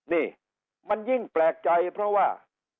นี่มันยิ่งแปลกใจเพราะว่า